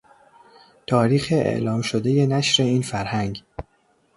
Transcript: تاریخ اعلام شدهی نشر این فرهنگ